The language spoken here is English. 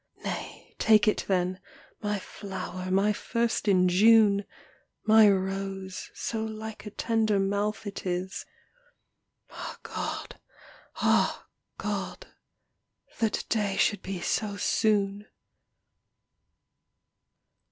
Nay take it then, my flower, my first in June, My rose, so like a tender mouth it is: Ah God, ah God, that day should be so soon.